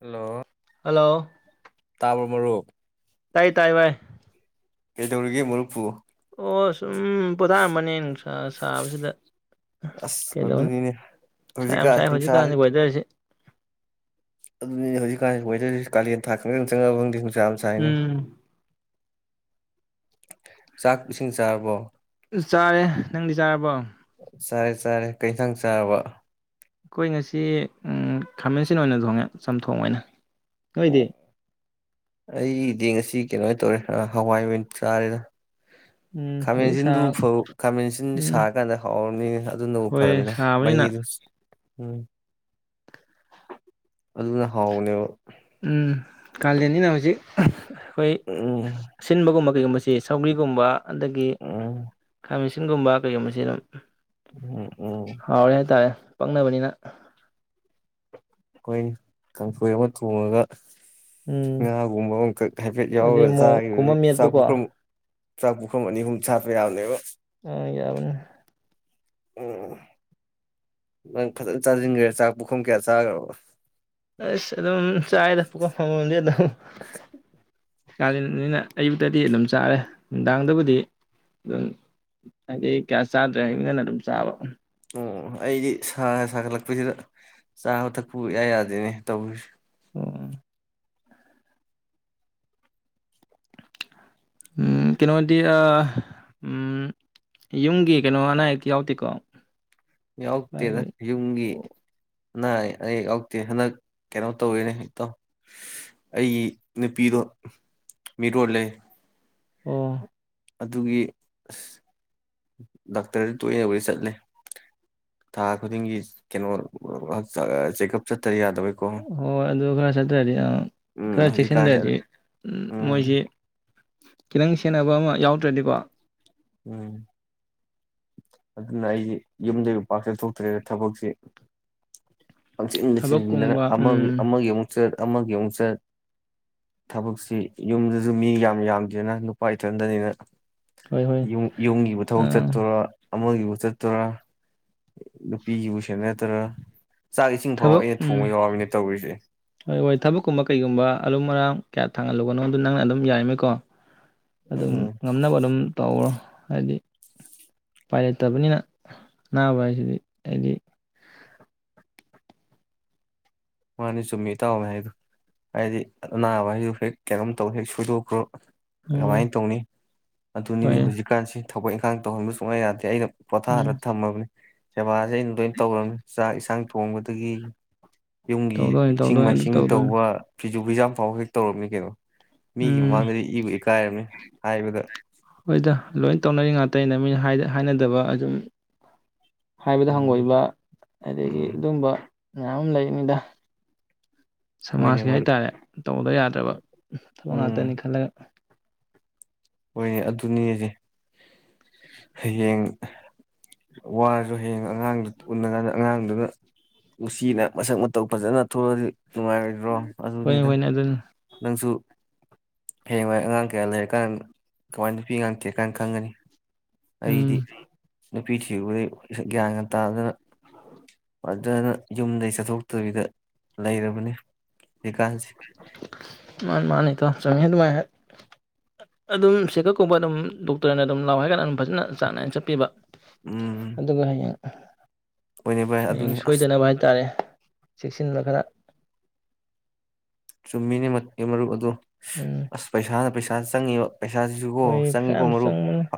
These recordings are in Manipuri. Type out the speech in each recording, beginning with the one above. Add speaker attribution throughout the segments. Speaker 1: ꯍꯜꯂꯣ
Speaker 2: ꯍꯜꯂꯣ
Speaker 1: ꯇꯥꯕꯔ‌ꯣ ꯃꯔꯨꯞ
Speaker 2: ꯇꯥꯏ ꯇꯥꯏꯋꯥꯏ
Speaker 1: ꯀꯩꯗꯧꯔꯤꯒꯦ ꯃꯔꯨꯞꯄꯨ
Speaker 2: ꯑꯣꯁ ꯁꯨꯝ ꯄꯣꯊꯥꯔꯝꯕꯅꯦ ꯅꯨꯡꯁꯥ ꯁꯥꯕꯁꯤꯗ
Speaker 1: ꯑꯁ ꯑꯗꯨꯅꯤꯅꯦ
Speaker 2: ꯀꯩꯗꯧꯅꯤꯅꯨꯡꯁꯥ ꯌꯥꯝ
Speaker 1: ꯍꯧꯖꯤꯛꯀꯥꯟ
Speaker 2: ꯁꯥꯏ
Speaker 1: ꯅꯨꯡꯁꯥ
Speaker 2: ꯍꯧꯖꯤꯛꯀꯥꯟꯗꯤ ꯋꯦꯗꯔꯁꯤ
Speaker 1: ꯑꯗꯨꯅꯤ ꯍꯧꯖꯤꯛꯀꯥꯟ ꯀꯥꯂꯦꯟ ꯊꯥ ꯈꯛꯇꯪꯉꯕ ꯐꯪ ꯆꯝꯁꯅꯦ
Speaker 2: ꯎꯝ
Speaker 1: [unintelligible] ꯆꯥꯛ ꯏꯁꯤꯡ ꯆꯥꯔꯕꯣ
Speaker 2: ꯆꯥꯔꯦ ꯅꯪꯗꯤ ꯆꯥꯔꯕꯣ
Speaker 1: ꯆꯥꯔꯦ ꯆꯥꯔꯦ ꯀꯩꯏꯟꯁꯪ ꯆꯥꯔꯕ
Speaker 2: ꯑꯩꯈꯣꯏ ꯉꯁꯤ ꯈꯥꯃꯦꯟꯁꯤꯟ ꯑꯣꯏꯅ ꯊꯣꯡꯉꯦ ꯆꯝꯊꯣꯡ ꯑꯣꯏꯅ ꯅꯣꯏꯗꯤ
Speaker 1: ꯑꯣ ꯑꯩꯗꯤ ꯉꯁꯤ ꯀꯩꯅꯣ ꯇꯧꯔꯦ ꯍꯋꯥꯏꯕ ꯑꯣꯏꯅ ꯆꯥꯔꯦꯗ
Speaker 2: ꯎꯝ ꯍꯧꯖꯤꯛ ꯁꯥ
Speaker 1: ꯈꯥꯃꯦꯟꯁꯤꯟꯗꯨꯕꯨ ꯈꯥꯃꯦꯟ ꯑꯁꯤꯟ
Speaker 2: ꯎꯝ
Speaker 1: ꯁꯥꯔꯀꯥꯟꯗ ꯍꯥꯎꯔꯕꯅꯤꯅꯦ ꯑꯗꯨꯅꯕꯨ
Speaker 2: ꯍꯣꯏ
Speaker 1: ꯐꯔꯕꯅꯤꯅ
Speaker 2: ꯁꯥꯕꯅꯤꯅ
Speaker 1: ꯃꯍꯤꯗꯨ ꯎꯝ ꯑꯗꯨꯅ ꯍꯥꯎꯅꯤ
Speaker 2: ꯎꯝ ꯀꯜꯗꯅꯤꯅ ꯍꯧꯖꯤꯦ ꯑꯩꯈꯣꯏ
Speaker 1: ꯎꯝ
Speaker 2: ꯁꯤꯟꯕꯒꯨꯝꯕ ꯀꯩꯒꯨꯝꯕ ꯃꯁꯤ ꯁꯧꯒ꯭ꯔꯤꯒꯨꯝꯕ ꯑꯗꯒꯤ
Speaker 1: ꯎꯝ
Speaker 2: ꯈꯥ ꯑꯁꯤꯒꯨꯝꯕ ꯀꯩꯒꯨꯝꯕꯁꯤꯅ
Speaker 1: ꯎꯝ ꯑꯣ
Speaker 2: ꯄꯛꯅꯕꯅꯤꯅ
Speaker 1: ꯑꯩꯈꯣꯏ ꯀꯥꯡꯁꯣꯏ ꯑꯃ ꯊꯣꯡꯉꯒ
Speaker 2: ꯎꯝ
Speaker 1: ꯉꯥꯒꯨꯝꯕ ꯑꯃꯈꯛ ꯍꯥꯏꯐꯦꯠ
Speaker 2: ꯑꯗꯩ
Speaker 1: ꯌꯥꯎꯔꯒ ꯆꯥꯈꯤꯕ
Speaker 2: ꯃꯣꯔꯣꯛꯀꯨꯝꯕ
Speaker 1: ꯆꯥꯛ
Speaker 2: ꯃꯦꯠꯄꯀꯣ
Speaker 1: ꯄꯨꯈ꯭ꯔ
Speaker 2: ꯑ
Speaker 1: ꯆ꯭ꯔꯥꯛꯄꯕꯨꯈꯝꯅꯤ ꯍꯨꯨꯝ ꯁꯥꯥꯄꯩ ꯌꯥꯎꯅꯦꯣ [unintelligible]
Speaker 2: ꯑ ꯌꯥꯕꯅꯦ
Speaker 1: ꯎꯝ ꯅꯪ ꯐꯖꯅ ꯆꯥꯁꯤꯟꯈ꯭ꯔꯦ ꯆꯥꯛ ꯄꯨꯈꯨꯝ ꯀꯌꯥ ꯆꯥꯈ꯭ꯔꯕ
Speaker 2: ꯑ ꯑꯗꯨꯝ ꯆꯥꯥꯏꯗ ꯄꯨꯀꯥ ꯐꯥꯎꯉꯕꯗꯤꯦ ꯑꯗꯨꯣ [unintelligible] ꯀꯥꯗꯅꯤꯅ ꯑꯌꯨꯛꯇꯗꯤ ꯑꯗꯨꯝ ꯆꯥꯔꯦ ꯅꯨꯡꯗꯥꯡꯗꯕꯨꯗꯤ ꯑꯗꯨꯝ ꯍꯥꯏꯩ ꯀꯌꯥ ꯆꯥꯗ꯭ꯔꯦ ꯏꯟꯅ ꯑꯗꯨꯝ ꯆꯥꯕ
Speaker 1: ꯎꯝ ꯑꯩꯗꯤ ꯁꯥ ꯁꯥꯒꯠꯂꯛꯄꯁꯤꯗ ꯆꯥꯕ ꯊꯛꯄ ꯌꯥ ꯌꯥꯗꯦꯅꯦ ꯇꯧꯁꯦ
Speaker 2: ꯑꯣ ꯎꯝ ꯀꯩꯅꯣꯗꯤ ꯌꯨꯝꯒꯤ ꯀꯩꯅꯣ ꯑꯅꯥ ꯑꯌꯦꯛ ꯌꯥꯎꯗꯦꯀꯣ ꯚꯥꯏ
Speaker 1: ꯌꯥꯎꯛꯇꯦꯗ
Speaker 2: ꯑꯩꯈꯣꯏ
Speaker 1: ꯌꯨꯡꯒꯤ ꯑꯅꯥ ꯑꯌꯦꯛ ꯌꯥꯎꯗꯦ ꯍꯟꯗꯛ ꯀꯩꯅꯣ ꯇꯧꯔꯤꯦꯅꯦ ꯏꯇꯥꯎ ꯑꯩꯒꯤ ꯅꯨꯄꯤꯗꯣ ꯃꯤꯔꯣ ꯂꯩ
Speaker 2: ꯑꯣ
Speaker 1: ꯑꯗꯨꯒꯤ ꯑ ꯗꯥꯛꯇꯔꯗꯤ ꯇꯣꯏꯅꯕꯨꯗꯤ ꯆꯠꯂꯦ ꯊꯥ ꯈꯨꯗꯤꯡꯒꯤ ꯀꯩꯅꯣ ꯆꯦꯛꯑꯞ ꯆꯠꯇ ꯌꯥꯗ
Speaker 2: ꯍꯣꯏ ꯑꯗꯨ ꯈꯔ ꯆꯠꯇ꯭ꯔꯗꯤ
Speaker 1: ꯎꯝ
Speaker 2: ꯈꯔ
Speaker 1: ꯍꯧꯖꯤꯛꯀꯥꯟꯁꯦ
Speaker 2: ꯆꯦꯛꯁꯤꯟꯗ꯭ꯔꯗꯤ
Speaker 1: ꯎꯝ
Speaker 2: ꯃꯣꯏꯁꯤ ꯈꯤꯇꯪ ꯁꯦꯟꯅꯕ ꯑꯃ ꯌꯥꯎꯗ꯭ꯔꯗꯤꯀꯣ
Speaker 1: ꯎꯝ [unintelligible] [unintelligible] ꯌꯨꯝꯗꯩꯩ ꯄꯥꯛ ꯆꯠꯊꯣꯛ ꯇ [unintelligible] ꯊꯕꯛꯁꯤ ꯄꯪꯆꯤꯟꯗ ꯆꯤꯟꯗꯅ
Speaker 2: ꯊꯕꯛꯀꯨꯝꯕ
Speaker 1: ꯑꯃꯒꯤ
Speaker 2: ꯎꯝ
Speaker 1: ꯑꯃꯒꯤ ꯑꯃꯨꯛ ꯆꯠ ꯑꯃꯒꯤ ꯑꯃꯨꯛ ꯆꯠ ꯊꯕꯛꯁꯤ ꯌꯨꯝꯗꯁꯨ ꯃꯤ ꯌꯥꯝ ꯌꯥꯝꯗꯦꯅ ꯅꯨꯄꯥ ꯏꯊꯟꯗꯅꯤꯅ
Speaker 2: ꯍꯣꯏ ꯍꯣꯏ
Speaker 1: ꯌꯨꯝꯒꯤꯕꯨ ꯊꯕꯛ
Speaker 2: ꯑꯥ
Speaker 1: ꯆꯠꯇꯣꯔ ꯑꯃꯒꯤꯕꯨ ꯆꯠꯇꯔꯥ ꯅꯨꯄꯤꯒꯤꯕꯨ ꯁꯦꯅꯇ꯭ꯔꯥ
Speaker 2: ꯊꯕꯛ ꯎꯝ
Speaker 1: ꯇꯧꯔꯤꯁꯦ
Speaker 2: ꯊꯕꯛꯀꯨꯝꯕ ꯀꯩꯒꯨꯝꯕ ꯑꯔꯨꯝ ꯑꯌꯥꯡ ꯀ꯭ꯌꯥ ꯊꯥꯡꯍꯟꯂꯨ ꯑꯗꯨ ꯅꯪ ꯑꯗꯨꯝ ꯌꯥꯔꯤꯃꯩ ꯀꯣ ꯑꯗꯨꯝ
Speaker 1: ꯎꯝ
Speaker 2: ꯉꯝꯅꯕ ꯑꯗꯨꯝ ꯇꯧꯈ꯭ꯔꯣ ꯍꯥꯏꯗꯤ ꯎꯄꯥꯏ ꯂꯩꯇꯕꯅꯤꯅ ꯑꯅꯥꯕ ꯍꯥꯏꯁꯤꯗꯤ ꯍꯥꯏꯗꯤ
Speaker 1: ꯃꯥꯅꯤ ꯆꯨꯃꯝ ꯏꯇꯥꯎꯅ ꯍꯥꯏꯗꯣ ꯍꯥꯏꯗꯤ ꯑꯅꯥꯕ ꯍꯥꯏꯁꯦ ꯍꯦꯛ ꯀꯩꯅꯣꯝ ꯇꯧꯕꯗ ꯍꯦꯛ ꯁꯣꯏꯗꯣꯛꯈ꯭ꯔꯣ
Speaker 2: ꯎꯝ
Speaker 1: ꯀꯔꯥꯃꯥꯏꯅ ꯇꯧꯅꯤ ꯐꯗꯨꯅꯤꯅꯦ
Speaker 2: ꯍꯣꯏ
Speaker 1: ꯍꯧꯖꯤꯛ ꯀꯥꯟꯁꯦ ꯊꯕꯛ ꯏꯦꯈꯥꯟ ꯇꯧꯍꯟꯕ ꯁꯨꯛꯌꯥ ꯌꯥꯗ꯭ꯔꯦ ꯄꯣꯊꯥꯍꯟꯂ
Speaker 2: ꯎꯝ
Speaker 1: ꯊꯝꯂꯕꯅꯤ ꯁꯦꯕꯥꯗꯤ ꯑꯩ ꯂꯣꯏ ꯇꯧꯔꯕꯅꯤ ꯆꯥꯛ ꯏꯟꯁꯥꯡ ꯊꯣꯡꯕ ꯗꯒꯤ ꯌꯨꯝꯒꯤ
Speaker 2: ꯇꯧꯗꯣꯏꯅꯤ
Speaker 1: ꯏꯁꯤꯡ
Speaker 2: ꯇꯧꯗꯣꯏꯅꯤ ꯑꯗꯨ
Speaker 1: ꯃꯥꯏꯁꯤꯡ
Speaker 2: ꯇꯧꯗꯣꯏꯅꯤ
Speaker 1: ꯇꯧꯕ ꯐꯤꯖꯨ ꯐꯤꯖꯥꯝ ꯐꯥꯎ ꯍꯦꯛ ꯇꯧꯔꯝꯃꯤ ꯀꯩꯅꯣ ꯃꯤꯒꯤ
Speaker 2: ꯎꯝ
Speaker 1: ꯃꯃꯥꯡꯗꯗꯤ ꯏꯕꯨ ꯏꯀꯥꯏꯔꯕꯅꯤ ꯍꯥꯏꯕꯗ
Speaker 2: ꯍꯣꯏꯗ ꯂꯣꯏ ꯇꯧꯅꯔꯤ ꯉꯥꯛꯇ ꯅꯤꯅꯦ [unintelligible] ꯍꯥꯏꯅꯗꯕ ꯑꯗꯨꯝ ꯍꯥꯏꯕꯗ
Speaker 1: ꯎꯝ
Speaker 2: ꯍꯪꯒꯣꯏꯕ ꯑꯗꯒꯤ
Speaker 1: ꯎꯝ
Speaker 2: ꯑꯗꯨꯝꯕ ꯃꯌꯥꯝ ꯂꯩꯕꯅꯤꯗ
Speaker 1: ꯍꯣꯏꯅꯦ
Speaker 2: ꯁꯃꯥꯖꯀꯤ ꯍꯥꯏ
Speaker 1: ꯃꯔꯨꯞ
Speaker 2: ꯇꯥꯔꯦ ꯇꯧꯗ ꯌꯥꯗ꯭ꯔꯕ ꯊꯕꯛ ꯉꯥꯛꯇꯅꯤ
Speaker 1: ꯎꯝ
Speaker 2: ꯈꯜꯂꯒ
Speaker 1: ꯍꯣꯏꯅꯦ ꯑꯗꯨꯅꯤꯖꯦ ꯍꯌꯦꯡ ꯋꯥꯔꯁꯨ ꯍꯌꯦꯡ ꯑꯉꯥꯡꯗꯨ ꯎꯟꯅꯀꯥꯟꯗ ꯑꯉꯥꯡꯗꯨꯅ ꯅꯨꯡꯁꯤꯅ ꯃꯁꯛ ꯃꯇꯧ ꯐꯖꯅ ꯊꯣꯛꯂꯛꯑꯗꯤ ꯅꯨꯡꯉꯥꯏꯔꯣꯏꯗ꯭ꯔꯣ
Speaker 2: ꯍꯣꯏꯅꯦ
Speaker 1: ꯑꯗꯨꯅꯤꯗ
Speaker 2: ꯍꯣꯏꯅꯦ ꯑꯗꯨꯅꯤ
Speaker 1: ꯅꯪꯁꯨ ꯍꯌꯦꯡꯋꯥꯏ ꯑꯉꯥꯡ ꯀꯌꯥ ꯂꯩꯔꯀꯥꯟ ꯀꯃꯥꯏꯅ ꯅꯨꯄꯤ ꯑꯉꯥꯡ ꯊꯤꯔꯛꯀꯥꯟꯗ ꯈꯟꯒꯅꯤ ꯑꯩꯗꯤ
Speaker 2: ꯎꯝ
Speaker 1: ꯅꯨꯄꯤ ꯊꯤꯕꯗꯩ ꯒ꯭ꯌꯥꯟ ꯒ ꯇꯥꯗꯅ
Speaker 2: [unintelligible]
Speaker 1: ꯑꯗꯨꯅ ꯌꯨꯝꯗꯒꯤꯩ ꯆꯠꯊꯣꯛꯇꯕꯤꯗ ꯂꯩꯔꯕꯅꯤ ꯍꯧꯖꯤꯛꯀꯥꯟꯁꯦ
Speaker 2: ꯃꯥꯅꯤ ꯃꯥꯅꯤ ꯏꯇꯥꯎ ꯆꯪꯍꯦꯗ ꯋꯥꯏꯍꯦꯗ ꯑꯗꯨꯝ ꯆꯦꯛꯀꯞ ꯀꯨꯝꯕ ꯑꯗꯨꯝ ꯗꯣꯛꯇꯔꯅ ꯑꯗꯨꯝ ꯂꯥꯎ ꯍꯥꯏ ꯀꯥꯟꯗ ꯑꯗꯨꯝ ꯐꯖꯅ ꯆꯥꯡ ꯅꯥꯏꯅ ꯆꯠꯄꯤꯕ
Speaker 1: ꯎꯝ
Speaker 2: ꯑꯗꯨꯒ ꯍꯌꯦꯡ ꯇꯥꯕ
Speaker 1: ꯍꯣꯏꯅꯦ ꯚꯥꯏ
Speaker 2: ꯉꯝꯗꯕ ꯍꯌꯦꯡ
Speaker 1: ꯑꯗꯨꯅꯤ ꯑꯁ
Speaker 2: ꯁꯣꯏꯗꯅꯕ ꯍꯥꯏꯇꯥꯔꯦ ꯆꯦꯛꯁꯤꯟꯕ ꯈꯔ
Speaker 1: ꯆꯨꯝꯃꯤꯅꯦ ꯃꯠ ꯑꯦ ꯃꯔꯨꯞ ꯑꯗꯣ
Speaker 2: ꯎꯝ
Speaker 1: ꯑꯁ ꯄꯩꯁꯥꯅ ꯄꯩꯁꯥ ꯑꯥꯗ ꯆꯪꯉꯤꯔꯣ ꯄꯩꯁꯥꯖꯤꯖꯨ ꯀꯣ
Speaker 2: ꯍꯣꯏ ꯄꯩꯁꯥ
Speaker 1: ꯆꯪꯉꯤꯀꯣ
Speaker 2: ꯌꯥꯝ
Speaker 1: ꯃꯔꯨꯞ
Speaker 2: ꯆꯪꯕꯅꯤ
Speaker 1: ꯑ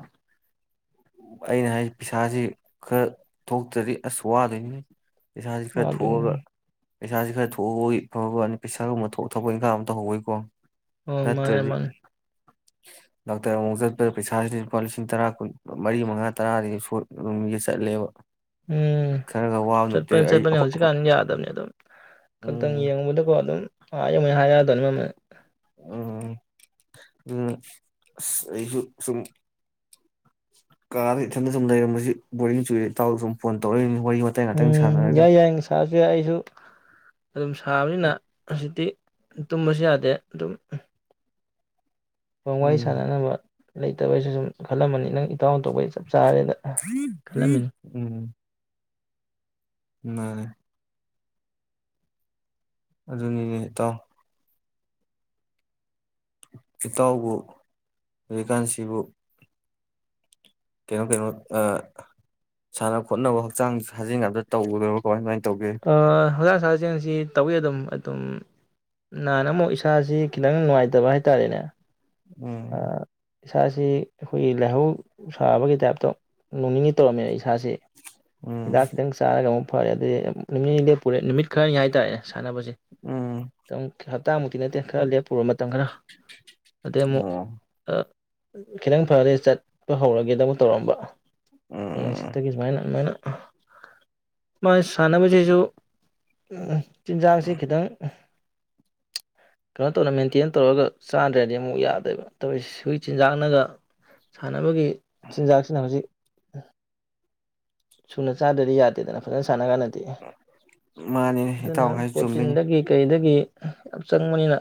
Speaker 1: ꯑꯩꯅ ꯍꯥꯏꯖꯤ ꯄꯩꯁꯥꯖꯤ ꯈꯔ ꯊꯣꯛꯇ꯭ꯔꯗꯤ ꯑꯁ ꯋꯥꯗꯣꯏꯅꯤꯅꯦ ꯄꯩꯁꯥꯖꯤ ꯈꯔ ꯊꯣꯛꯑꯒ
Speaker 2: ꯋꯥꯗꯣꯏꯅꯤ
Speaker 1: ꯄꯩꯁꯥꯖꯤ ꯈꯔ ꯊꯣꯛꯍꯧꯕꯒꯤ ꯐꯕꯋꯥꯅꯤ ꯄꯩꯁꯥꯒꯨꯝꯕ ꯊꯣꯛ ꯊꯕꯛ ꯏꯟꯈꯥꯡ ꯑꯃ ꯇꯧꯍꯧꯕꯒꯤ ꯀꯣ
Speaker 2: ꯑꯧ ꯃꯥꯅꯦ ꯃꯥꯅꯦ
Speaker 1: ꯗꯣꯛꯇꯔ ꯑꯃꯨꯛ ꯃꯨꯛ ꯆꯠꯄꯗ ꯄꯩꯁꯥꯖꯤꯗꯤ ꯂꯨꯄꯥ ꯂꯤꯁꯤꯡ ꯇꯔꯥ ꯀꯨꯟ ꯃꯔꯤ ꯃꯉꯥ ꯇꯔꯥꯗꯒꯤ ꯁꯣꯏ ꯑꯗꯨꯝ ꯆꯠꯂꯦꯕ
Speaker 2: ꯎꯝ
Speaker 1: ꯈꯔꯒ ꯋꯥꯕ ꯅꯠꯇꯦ
Speaker 2: ꯆꯠꯄꯅꯤ
Speaker 1: ꯑꯩ
Speaker 2: ꯆꯠꯄꯅꯤ
Speaker 1: ꯑꯩꯈꯣꯏ ꯑꯩꯈꯣꯏ
Speaker 2: ꯍꯧꯖꯤꯛꯀꯥꯟ ꯌꯥꯗꯕꯅꯤ ꯑꯗꯨꯝ ꯀꯛꯇꯪ
Speaker 1: ꯎꯝ
Speaker 2: ꯌꯦꯡꯉꯨꯕꯗꯀꯣ ꯑꯗꯨꯝ ꯑꯥ ꯌꯧꯃꯩ ꯍꯥꯏꯔꯑꯗꯣꯅꯤ ꯃꯃꯜ
Speaker 1: ꯎꯝ-ꯎꯝ- ꯑꯗꯨꯗꯨꯅ ꯑꯁ ꯑꯩꯁꯨ ꯁꯨꯝ ꯀꯥꯗ ꯏꯊꯟꯗ ꯁꯨꯝ ꯂꯩꯔꯝꯕꯁꯤ ꯕꯣꯔꯤꯡ ꯆꯨꯔꯦ ꯏꯇꯥꯎ ꯁꯨꯝ ꯐꯣꯟ ꯇꯧꯔꯛꯏꯅꯤ ꯋꯥꯔꯤ ꯋꯥꯇꯥꯏ ꯉꯥꯛꯇꯪ
Speaker 2: ꯎꯝ
Speaker 1: ꯁꯥꯟꯅꯔꯒ
Speaker 2: ꯌꯥꯏ ꯌꯥꯏ ꯁꯥꯔꯁꯨ ꯌꯥꯏ ꯑꯩꯁꯨ ꯑꯗꯨꯝ ꯁꯥꯕꯅꯤꯅ ꯍꯧꯖꯤꯛꯇꯤ ꯇꯨꯝꯕꯁꯨ ꯌꯥꯗꯦ ꯑꯗꯨꯝ ꯋꯥꯔꯤ
Speaker 1: ꯎꯝ
Speaker 2: ꯁꯥꯟꯅꯅꯕ ꯂꯩꯇꯕꯩꯁꯨ ꯁꯨꯝ ꯈꯜꯂꯝꯕꯅꯤ ꯅꯪ ꯏ- ꯇꯎꯅ ꯇꯧꯕꯩ ꯆꯞ ꯆꯥꯔꯦꯅ ꯈꯜꯂꯝꯃꯤꯅꯤ
Speaker 1: ꯅꯥꯜꯂ‌ꯦ ꯑꯗꯨꯅꯤꯅꯦ ꯏꯇꯥꯎ ꯏꯇꯥꯎꯕꯨ ꯍꯧꯖꯤꯛꯀꯥꯟꯁꯤꯕꯨ ꯀꯩꯅꯣ ꯀꯩꯅꯣ ꯑꯑ ꯁꯥꯟꯅ ꯈꯣꯠꯅꯕ ꯍꯛꯆꯥꯡ ꯁꯥꯖꯦꯜꯒ ꯑꯝꯇ ꯇꯧꯗ꯭ꯔꯕ ꯀꯃꯥꯏ ꯀꯃꯥꯏ
Speaker 2: ꯂꯧꯁꯤꯟꯕ ꯉꯝꯗꯕ ꯁꯥꯖꯦꯟꯁꯤ ꯇꯧꯋꯤ ꯑꯗꯨꯝ ꯑꯗꯨꯝ ꯅꯍꯥꯟ ꯑꯃꯨꯛ ꯏꯁꯥꯁꯤ ꯈꯤꯇꯪ ꯅꯨꯡꯉꯥꯏꯇꯕ ꯍꯥꯏꯇꯥꯔꯦꯅꯦ
Speaker 1: ꯎꯝ
Speaker 2: ꯑꯥ ꯏꯁꯥꯁꯤ ꯑꯩꯈꯣꯏꯒꯤ ꯂꯥꯏꯍꯧ ꯁꯥꯕꯒꯤ ꯇꯥꯏꯞꯇꯥ ꯅꯣꯡ ꯅꯤꯅꯤ ꯇꯧꯔꯝꯃꯦ ꯏꯁꯥꯁꯤ
Speaker 1: ꯎꯝ
Speaker 2: ꯍꯤꯗꯥꯛ ꯈꯤꯇꯪ ꯆꯥꯔꯒ ꯑꯃꯨꯛ ꯐꯔꯦ ꯑꯗꯩ ꯑ-ꯑꯝꯝ ꯅꯣꯡ ꯅꯤꯅꯤ ꯂꯦꯞꯄꯨꯔꯦ ꯅꯨꯃꯤꯠ ꯈꯔꯅꯤ ꯍꯥꯏꯇꯥꯔꯦ ꯁꯥꯟꯅꯕꯖꯦ
Speaker 1: ꯎꯝ
Speaker 2: ꯎꯪ ꯊꯛ [unintelligible] ꯄꯨꯔ ꯃꯇꯝ ꯈꯔ ꯑꯗꯩ ꯑꯃꯨꯛ
Speaker 1: ꯑꯣ
Speaker 2: ꯈꯤꯇꯪ ꯐꯔꯥꯗꯤ ꯆꯠꯄ ꯍꯧꯔꯒꯦ ꯗꯃꯛ ꯇꯧꯔꯝꯕ ꯍꯌꯦꯪ
Speaker 1: ꯎꯝ
Speaker 2: ꯎꯟꯠꯆꯤꯠꯇꯒꯤ ꯁꯨꯃꯥꯏꯅ [unintelligible] ꯃꯥꯥꯏ ꯁꯅꯕꯩ ꯍꯧꯖꯤꯁꯨ ꯆꯤꯟꯖꯥꯛꯁꯤ ꯈꯤꯇꯪ ꯀꯩꯅꯣ ꯇꯧꯅ ꯃꯦꯟꯇꯦꯟ ꯇꯧꯔꯒ ꯆꯥꯗ꯭ꯔꯗꯤ ꯑꯃꯨꯛ ꯌꯥꯗꯦꯕ ꯇꯧꯔꯤꯁ‌ꯦ ꯆꯤꯟꯖꯥꯛꯅꯒ ꯁꯥꯟꯅꯕꯒꯤ ꯆꯤꯟꯖꯥꯛꯁꯤꯅ ꯍꯧꯖꯤꯛ ꯁꯨꯅ ꯆꯥꯗ꯭ꯔꯗꯤ ꯌꯥꯗꯦꯗꯅ ꯐꯖꯅ ꯁꯥꯟꯅ ꯀꯥꯟꯗꯗꯤ
Speaker 1: ꯃꯥꯅꯤꯅꯦ
Speaker 2: ꯑꯗꯨꯅ
Speaker 1: ꯏꯇꯥꯎ ꯍꯥꯏ ꯆꯨꯝꯃꯤꯅꯦ
Speaker 2: ꯄꯔꯣꯇꯤꯟꯗꯒꯤ ꯀꯩꯗꯒꯤ ꯌꯥꯝ ꯆꯪꯕꯅꯤꯅꯥ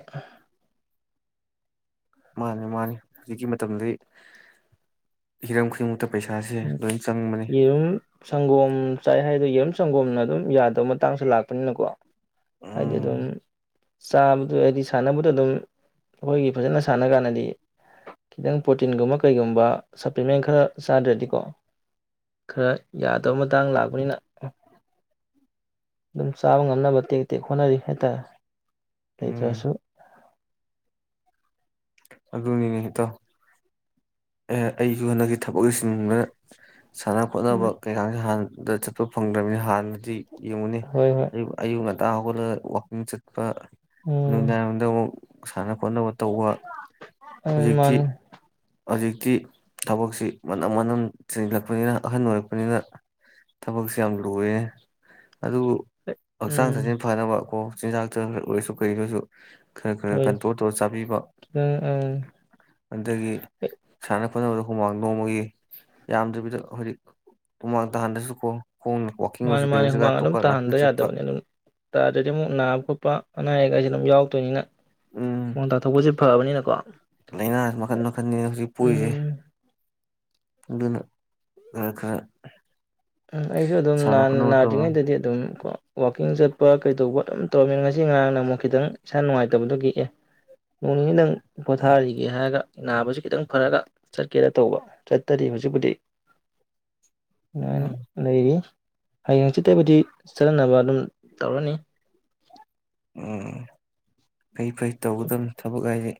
Speaker 1: ꯃꯥꯒꯤ ꯃꯥꯒꯤ ꯍꯧꯖꯤꯀꯤ ꯃꯇꯝꯗꯤ ꯍꯤꯔꯝ ꯈꯨꯗꯤꯪ ꯄꯩꯁꯥꯁꯦ ꯂꯣꯏꯅꯥ ꯆꯪꯕꯅꯦ
Speaker 2: ꯁꯥꯉꯣꯝ ꯆꯥꯏ ꯍꯥꯌꯅꯩ ꯌꯦꯔꯨꯝ ꯁꯟꯒꯣꯝꯅ ꯑꯗꯨꯝ ꯌꯥꯗꯕꯥ ꯃꯇꯥꯪ ꯂꯛꯄꯅꯤꯅꯥꯀꯦ ꯍꯥꯏꯗꯤ ꯑꯗꯨꯝ
Speaker 1: ꯎꯝ
Speaker 2: ꯆꯕꯗꯨ ꯍꯥꯢꯗꯤ ꯁꯅꯕꯗꯨ ꯑꯗꯨꯝ ꯑꯈꯣꯏꯒꯤ ꯐꯖꯅꯥ ꯁꯅꯒꯟꯗꯗꯤ ꯈꯤꯗꯥꯪ ꯄꯔꯣꯇꯩꯉꯨꯝꯕ ꯀꯔꯤꯒꯨꯝꯕꯥ ꯁꯥꯞꯂꯤꯀꯦꯟꯠ ꯈꯔꯥ ꯆꯗꯔꯗꯤ ꯈꯔꯥ ꯌꯥꯗꯕꯥ ꯃꯇꯥꯪ ꯂꯛꯄꯅꯤꯅꯥ ꯑꯗꯨꯝ ꯆꯥꯕꯥ ꯉꯝꯅꯕꯥ ꯇꯦꯛ ꯇꯦꯀ ꯍꯣꯠꯅꯥꯔꯤ ꯍꯥꯏꯇꯔꯦ
Speaker 1: ꯎꯝ
Speaker 2: ꯂꯩꯇꯁꯨ
Speaker 1: ꯑꯗꯨꯅꯤꯅꯦ ꯏꯇꯥꯑꯣ ꯑꯩꯁꯨ ꯍꯟꯗꯛ ꯊꯕꯛ ꯆꯤꯟꯕꯥ ꯁꯥꯅꯥ ꯈꯣꯠꯅꯕꯥ
Speaker 2: ꯎꯝ
Speaker 1: [unintelligible] [unintelligible] ꯆꯠꯄ ꯐꯪꯗꯔ꯭ꯃꯤꯅꯥ ꯍꯥꯅꯗꯤ ꯌꯦꯡꯎꯅꯦ
Speaker 2: ꯍꯣꯏ ꯍꯣꯏ
Speaker 1: ꯑꯌꯨꯛ ꯉꯟꯇꯥ ꯉꯟꯇ ꯍꯧꯒꯠꯂꯒ ꯋꯥꯀꯤꯪ ꯆꯠꯄ
Speaker 2: ꯎꯝ
Speaker 1: [unintelligible] ꯁꯥꯅꯥ ꯈꯣꯠꯅꯕꯥ ꯇꯧꯕꯥ
Speaker 2: ꯎꯝ
Speaker 1: ꯍꯧꯖꯤꯛꯇꯤ
Speaker 2: ꯃꯥꯅꯤ
Speaker 1: ꯍꯧꯖꯤꯛꯇꯤ ꯊꯕꯛꯇꯤ ꯃꯅꯝ ꯃꯅꯝ ꯆꯤꯟꯖꯤꯂꯛꯄꯅꯤꯅꯥ ꯑꯍꯟ ꯑꯣꯏꯔꯛꯄꯅꯤꯅꯥ ꯊꯕꯛꯁꯤ ꯌꯥꯝꯅꯥ ꯂꯨꯔꯦ ꯑꯗꯨꯕꯨ ꯍꯛꯆꯥꯡ
Speaker 2: ꯎꯝ
Speaker 1: ꯁꯥꯒꯦꯟ ꯐꯥꯅꯕꯥ ꯀꯦ ꯆꯤꯟꯖꯥꯛꯇ ꯑꯣꯏꯔꯁꯨ ꯀꯔꯤꯗ ꯁꯨ ꯈꯔꯥ ꯈꯔꯥ
Speaker 2: ꯍꯣꯏ
Speaker 1: ꯀꯟꯇꯔꯣꯜ ꯇꯧꯔꯒꯥ ꯆꯕꯤꯕꯥ
Speaker 2: ꯈꯤꯇꯪ ꯎꯝ
Speaker 1: [unintelligible] ꯍꫭꯠꯅꯕꯗ ꯍꯨꯃꯥꯡ ꯅꯣꯡꯃꯒꯤ ꯌꯥꯝꯗ꯭ꯔꯕꯤꯗ ꯍꯥꯏꯗꯤ ꯍꯨꯃꯥꯡ ꯇꯥꯍꯟꯗ꯭ꯔꯁꯨ ꯀꯣ
Speaker 2: ꯃꯥꯅꯤ ꯃꯥꯅꯤ ꯍꯨꯃꯥꯡ ꯑꯗꯨꯝ ꯇꯥꯍꯟꯗ
Speaker 1: ꯆꯠꯄ
Speaker 2: ꯌꯥꯗꯕꯅꯤ ꯑꯗꯨꯝ ꯇꯥꯗ꯭ꯔꯗꯤ ꯑꯃꯨꯛ ꯅꯥꯕ ꯈꯣꯠꯄ ꯑꯅꯥ ꯑꯌꯦꯛꯀꯥꯏꯁꯦ ꯑꯗꯨꯝ ꯌꯥꯎ ꯇꯣꯏꯅꯥ
Speaker 1: ꯎꯝ
Speaker 2: ꯃꯣꯟ ꯇꯥ ꯊꯧꯕꯁꯦ ꯐꯕꯅꯤꯅꯀꯣ
Speaker 1: ꯂꯥꯏꯅꯥ ꯃꯈꯟ ꯃꯈꯟꯅꯤ
Speaker 2: ꯎꯝ
Speaker 1: ꯑꯗꯨꯅꯥ [unintelligible]
Speaker 2: ꯎꯝ ꯑꯩꯁꯨ ꯑꯗꯨꯝ ꯅꯥꯗ꯭ꯔꯤꯉꯩꯗꯗꯤ ꯑꯗꯨꯝ ꯀꯣ ꯋꯥꯀꯤꯡ ꯆꯠꯄ ꯀꯩꯇꯧꯕ ꯑꯗꯨꯝ ꯇꯧꯔꯝꯃꯦ ꯉꯁꯤ ꯉꯔꯥꯡꯅ ꯑꯃꯨꯛ ꯈꯤꯇꯪ ꯏꯁꯥ ꯅꯨꯡꯉꯥꯏꯇꯕꯗꯣ ꯑꯗꯨꯒꯤ ꯅꯣꯡ ꯅꯤꯅꯤꯗꯪ ꯀꯣꯊꯥꯔꯤꯒꯦ ꯍꯥꯌꯔꯒꯥ ꯅꯥꯕꯁꯤ ꯈꯤꯇꯪ ꯐꯔꯒ ꯆꯠꯀꯦꯅ ꯇꯧꯕ ꯆꯠꯇꯔꯤ ꯍꯧꯖꯤꯛꯄꯨꯗꯤ
Speaker 1: ꯎꯝ
Speaker 2: [unintelligible] ꯍꯌꯦꯡ ꯍꯡꯆꯤꯠꯇꯕꯨꯗꯤ ꯆꯠꯅꯅꯕ ꯑꯗꯨꯝ ꯇꯧꯔꯅꯤ
Speaker 1: ꯎꯝ ꯐꯩ ꯐꯩ ꯇꯧꯒꯗꯕꯅꯤ ꯊꯕꯛ ꯍꯥꯏꯁꯦ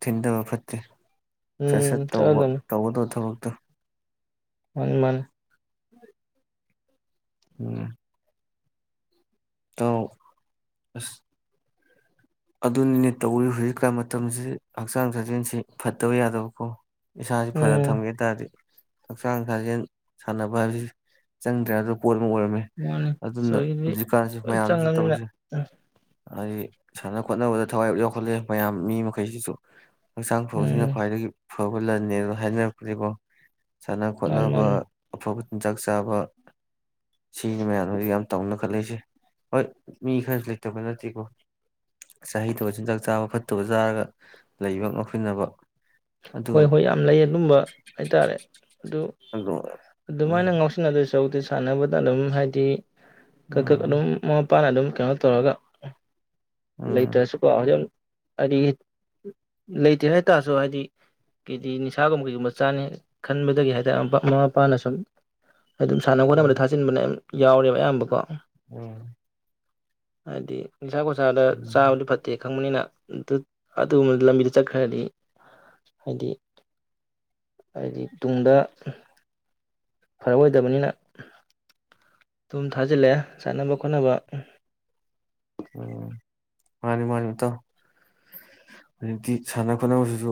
Speaker 1: ꯊꯤꯟꯊꯕ ꯐꯠꯇꯦ ꯁꯠ ꯁꯠ
Speaker 2: ꯎꯝ
Speaker 1: ꯇꯧꯕ
Speaker 2: ꯆꯠꯂꯗꯝꯅꯤ
Speaker 1: ꯇꯧꯒꯗꯕ ꯊꯕꯛ ꯇꯨ
Speaker 2: ꯃꯥꯅꯦ ꯃꯥꯅꯦ
Speaker 1: ꯎꯝ ꯇꯧ ꯑꯁ ꯑꯗꯨꯅꯤꯅꯦ ꯇꯧꯔꯤ ꯍꯧꯖꯤꯛꯀꯥꯟ ꯃꯇꯝꯁꯤ ꯍꯛꯆꯥꯡ ꯁꯥꯖꯦꯟꯁꯤ ꯐꯠꯇꯕ ꯌꯥꯗꯕꯀꯣ ꯏꯁꯥꯁꯤ ꯐꯔ
Speaker 2: ꯎꯝ
Speaker 1: ꯊꯝꯒꯦ ꯇꯥꯔꯗꯤ ꯍꯛꯆꯥꯡ ꯁꯥꯖꯦꯟ ꯁꯥꯟꯅꯕ ꯍꯥꯏꯕꯁꯤ ꯆꯪꯗ꯭ꯔꯦ ꯑꯗꯣ ꯄꯣꯠ ꯑꯃ ꯑꯣꯏꯔꯝꯃꯦ
Speaker 2: ꯃꯥꯅꯦ
Speaker 1: ꯑꯗꯨꯅ
Speaker 2: ꯆꯣꯏꯗꯤ
Speaker 1: ꯍꯧꯖꯤꯛꯀꯥꯟꯁꯨ
Speaker 2: ꯂꯣꯏ
Speaker 1: ꯃꯌꯥꯝꯁꯤꯅ
Speaker 2: ꯆꯪꯉꯅꯤꯅ
Speaker 1: ꯇꯧꯔꯤꯁꯦ ꯑꯩ ꯁꯥꯟꯅ ꯈꯣꯠꯅꯕ ꯊꯋꯥꯏ ꯌꯥꯎꯈꯠꯂꯦ ꯃꯌꯥꯝ ꯃꯤ ꯃꯈꯩꯁꯤꯁꯨ ꯍꯛꯆꯥꯡ ꯐꯕ ꯁꯤꯅ
Speaker 2: ꯎꯝ
Speaker 1: ꯈ꯭ꯋꯥꯏꯗꯒꯤ ꯐꯕ ꯂꯟꯅꯦꯅ ꯍꯥꯏꯅꯔꯛꯄꯗꯩ ꯀꯣ ꯁꯥꯟꯅ
Speaker 2: ꯃꯥꯅꯤ
Speaker 1: ꯈꯣꯠꯅꯕ
Speaker 2: ꯃꯥꯅꯤ
Speaker 1: ꯑꯐꯕ ꯆꯤꯟꯖꯥꯛ ꯆꯥꯕ ꯁꯤꯅꯤ ꯃꯌꯥꯝꯅ ꯍꯧꯖꯤꯛ ꯌꯥꯝ ꯇꯧꯅ ꯈꯜꯂꯛꯏꯁꯦ ꯍꯣꯏ ꯃꯤ ꯈꯔꯁꯨ ꯂꯩ ꯇꯧꯕ ꯅꯠꯇꯦꯀꯣ ꯆꯍꯤ ꯇꯨꯒ ꯆꯤꯟꯖꯥꯛ ꯆꯥꯕ ꯐꯠꯇꯕ ꯆꯥꯔꯒ ꯂꯩꯕ ꯉꯧꯁꯤꯟꯅꯕ
Speaker 2: ꯍꯣꯏ ꯍꯣꯏ ꯌꯥꯝ ꯂꯩ ꯑꯗꯨꯝꯕ ꯍꯥꯏꯇꯥꯔꯦ ꯑꯗꯨ
Speaker 1: ꯑꯗꯨ
Speaker 2: ꯑꯗꯨꯃꯥꯏꯅ
Speaker 1: ꯎꯝ
Speaker 2: ꯉꯥꯎꯁꯤꯟꯅꯗꯣꯏꯁꯨ ꯁꯥꯟꯅꯕꯗ ꯑꯗꯨꯝ ꯍꯥꯏꯗꯤ ꯀ ꯀ
Speaker 1: ꯎꯝ
Speaker 2: ꯑꯗꯨꯝ ꯃꯥ ꯏꯄꯥꯅ ꯑꯗꯨꯝ ꯀꯩꯅꯣ ꯇꯧꯔꯒ
Speaker 1: ꯎꯝ
Speaker 2: ꯂꯩꯇꯔꯦꯁꯨꯀꯣ ꯍꯧꯖ ꯍꯥꯏꯗꯤ ꯂꯩꯇꯦ ꯍꯥꯏꯇꯥꯔꯁꯨ ꯍꯥꯏꯗꯤ ꯀꯦꯗꯤ ꯅꯤꯁꯥꯒꯨꯝꯕ ꯀꯩꯒꯨꯝꯕ ꯆꯥꯅꯤ ꯈꯟꯕꯗꯒꯤ ꯍꯥꯏꯇꯥꯔꯦ ꯃꯃꯥ ꯃꯄꯥꯅ ꯁꯨꯝ ꯑꯩ ꯑꯗꯨꯝ ꯁꯥꯟꯅ
Speaker 1: ꯎꯝ
Speaker 2: ꯈꯣꯠꯅꯕꯗ ꯊꯥꯖꯤꯟꯕꯅ ꯌꯥꯎꯔꯦꯕ ꯑꯌꯥꯝꯕꯀꯣ
Speaker 1: ꯎꯝ
Speaker 2: ꯍꯥꯏꯗꯤ ꯅꯤꯁꯥꯒꯁꯥꯗ
Speaker 1: ꯎꯝ
Speaker 2: ꯆꯥꯕꯗꯤ ꯐꯠꯇꯦ ꯈꯪꯕꯅꯤꯅ ꯑꯗꯨꯒꯨꯝꯕ ꯂꯝꯕꯤꯗ ꯆꯠꯈ꯭ꯔꯗꯤ ꯍꯥꯏꯗꯤ ꯍꯥꯏꯗꯤ ꯇꯨꯡꯗ ꯐꯔꯛꯑꯣꯏꯗꯕꯅꯤꯅ ꯑꯗꯨꯝ ꯊꯥꯖꯤꯜꯂꯛꯑꯦ ꯁꯥꯟꯅꯕ ꯈꯣꯠꯅꯕ
Speaker 1: ꯎꯝ ꯃꯥꯅꯤ ꯃꯥꯅꯤ ꯃꯇꯧ ꯍꯧꯖꯤꯛꯇꯤ ꯁꯥꯟꯅ ꯈꯣꯠꯅꯕꯁꯤꯁꯨ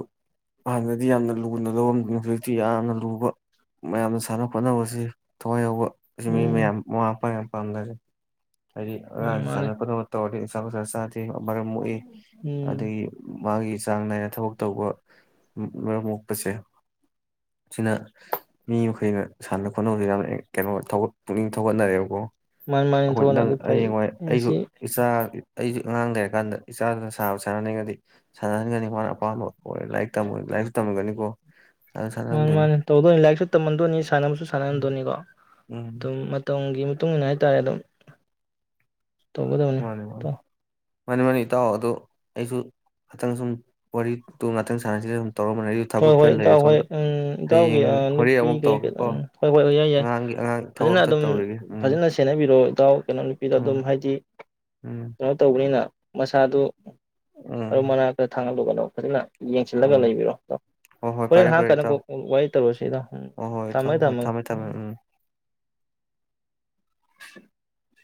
Speaker 1: ꯍꯥꯟꯅꯗꯤ ꯌꯥꯝꯅ ꯂꯨꯅ ꯂꯧꯔꯝꯗꯅꯤ ꯍꯧꯖꯤꯛꯇꯤ ꯌꯥꯝꯅ ꯂꯨꯕ ꯃꯌꯥꯝꯅ ꯁꯥꯟꯅ ꯈꯣꯠꯅꯕꯁꯤ ꯊꯋꯥꯏ ꯌꯥꯎꯕ ꯑꯁꯤ ꯃꯤ
Speaker 2: ꯎꯝ
Speaker 1: ꯃꯌꯥꯝ ꯃꯃꯥ ꯃꯄꯥ ꯃꯌꯥꯝ ꯄꯥꯡꯒꯜ ꯍꯥꯏꯗꯤ ꯑ
Speaker 2: ꯃꯥꯅꯤ ꯃꯥꯅꯤ
Speaker 1: ꯆꯥꯟꯅ ꯈꫭꯠꯅꯕ ꯇꯧꯔꯗꯤ ꯅꯤꯁꯥ ꯄꯨꯁꯥ ꯆꯥꯗꯦ ꯃꯔꯝ ꯃꯣꯛꯏ
Speaker 2: ꯎꯝ
Speaker 1: ꯑꯗꯒꯤ ꯃꯥꯒꯤ ꯆꯥꯡ ꯅꯥꯏ ꯊꯕꯛ ꯇꯧꯕ ꯃꯔꯝ ꯃꯣꯛꯄꯁꯦ ꯁꯤꯅ ꯃꯤ ꯃꯈꯩꯅ ꯁꯥꯟꯅ ꯈꯣꯠꯅꯕ ꯌꯥꯝꯅ ꯀꯩꯅꯣ ꯄꯨꯛꯅꯤꯡ ꯊꯧꯒꯠꯅꯔꯦꯕꯀꯣ
Speaker 2: ꯃꯥꯅꯤ ꯃꯥꯅꯤ
Speaker 1: ꯑꯩꯈꯣꯏ
Speaker 2: ꯊꯣꯛꯅ
Speaker 1: ꯅꯪ
Speaker 2: ꯑꯗꯨ ꯐꯩ
Speaker 1: ꯍꯌꯦꯡꯋꯥꯏ ꯑꯩꯁꯨ
Speaker 2: ꯃꯁꯤ
Speaker 1: ꯏꯆꯥ ꯑꯩꯁꯨ ꯑꯉꯥꯡ ꯂꯩꯔꯀꯥꯟꯗ ꯏꯆꯥꯗꯨꯅ ꯁꯥꯕ ꯁꯥꯟꯅꯅꯤꯡꯉꯗꯤ ꯁꯥꯟꯅꯍꯟꯒꯅꯤ ꯃꯥꯅ ꯑꯄꯥꯝꯕ ꯑꯣꯏꯔꯦ ꯂꯥꯏꯔꯤꯛ ꯇꯝꯕ ꯑꯣꯏꯔꯦ ꯂꯥꯏꯔꯤꯛꯁꯨ ꯇꯝꯃꯒꯅꯤꯀꯣ ꯁꯥꯟꯅ ꯁꯥꯟꯅꯍꯟꯗꯣꯏꯅꯤ
Speaker 2: ꯃꯥꯟꯅꯤ-ꯃꯥꯟꯅꯤ ꯇꯧꯗꯣꯏꯅꯤ ꯂꯥꯏꯔꯤꯛꯁꯨ ꯇꯝꯍꯟꯗꯣꯏꯅꯤ ꯁꯥꯟꯅꯕꯁꯨ ꯁꯥꯟꯅꯍꯟꯗꯣꯏꯅꯤꯀꯣ
Speaker 1: ꯎꯝ
Speaker 2: ꯑꯗꯨꯝ ꯃꯇꯝꯒꯤ ꯇꯨꯡ ꯏꯟꯅ ꯍꯥꯏꯇꯥꯔꯦ ꯑꯗꯨꯝ ꯇꯧꯒꯗꯕꯅꯤ
Speaker 1: ꯃꯥꯅꯦ ꯃꯥꯅꯦ
Speaker 2: ꯢꯇꯥꯎ
Speaker 1: ꯃꯥꯅꯤ ꯃꯥꯅꯤ ꯏꯇꯥꯎ ꯑꯗꯨ ꯑꯩꯁꯨ ꯈꯥꯇꯪ ꯁꯨꯝ ꯋꯥꯔꯤ-ꯗꯣ ꯉꯥꯛꯇꯪ ꯁꯥꯟꯅꯁꯤꯔ ꯁꯨꯝ ꯇꯧꯔꯝꯕꯅꯦ ꯑꯩꯁꯨ ꯊꯕꯛ
Speaker 2: ꯍꯣꯏ-ꯍꯣꯏ
Speaker 1: ꯈꯔ ꯂꯩꯔꯦ
Speaker 2: ꯏꯇꯥꯎ
Speaker 1: ꯁꯣꯝꯗ
Speaker 2: ꯍꯣꯏ-ꯎꯝ ꯏꯇꯥꯎꯒꯤ
Speaker 1: ꯍꯌꯦꯡ ꯍꯣꯔꯦꯟ
Speaker 2: ꯅꯨꯄꯤ
Speaker 1: ꯑꯃꯨꯛ
Speaker 2: ꯀꯩ-ꯀꯩ
Speaker 1: ꯇꯧꯔꯛꯀꯦꯀꯣ
Speaker 2: ꯎꯝ ꯍꯣꯏ-ꯍꯣꯏ-ꯍꯣꯏ-ꯌꯥꯏ-ꯌꯥꯏ
Speaker 1: ꯑꯉꯥꯡꯒꯤ ꯑꯉꯥꯡ ꯊꯕꯛ
Speaker 2: ꯐꯖꯅ
Speaker 1: ꯑꯝꯇ
Speaker 2: ꯑꯗꯨꯝ
Speaker 1: ꯇꯧꯔꯤꯒꯦ ꯎꯝ
Speaker 2: ꯐꯖꯅ ꯁꯦꯟꯅꯕꯤꯔꯣ ꯏꯇꯥꯎ ꯅꯅꯥꯎ ꯅꯨꯄꯤꯗ
Speaker 1: ꯎꯝ
Speaker 2: ꯑꯗꯨꯝ ꯍꯥꯏꯗꯤ
Speaker 1: ꯎꯝ
Speaker 2: ꯀꯩꯅꯣ ꯇꯧꯕꯅꯤꯅ ꯃꯁꯥꯗꯨ ꯑ
Speaker 1: ꯎꯝ
Speaker 2: ꯃꯅꯥꯛꯇ ꯊ ꯈꯪꯍꯜꯂꯨꯒꯅꯣ ꯐꯖꯥꯅ ꯌꯦꯡꯁꯤꯜꯂꯒ
Speaker 1: ꯎꯝ
Speaker 2: ꯂꯩꯕꯤꯔꯣ
Speaker 1: ꯍꯣꯏ ꯍꯣꯏ
Speaker 2: ꯍꯣꯔꯦꯟ
Speaker 1: ꯐꯔꯦ ꯐꯔꯦ
Speaker 2: ꯍꯥꯡꯉꯀꯥꯟꯗ
Speaker 1: ꯏꯇꯥꯎ
Speaker 2: ꯀꯣꯛ ꯋꯥꯔꯤ ꯇꯧꯔꯁꯤꯗꯣ ꯎꯝ
Speaker 1: ꯍꯣꯏ ꯍꯣꯏ ꯏꯇꯥꯎ ꯍꯣꯏ
Speaker 2: ꯊꯝꯃꯒꯦ-ꯊꯝꯃꯒꯦ
Speaker 1: ꯊꯝꯃꯦ ꯊꯝꯃꯦ
Speaker 2: ꯎꯝ [unintelligible]